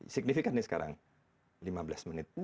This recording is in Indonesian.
signifikan nih sekarang lima belas menit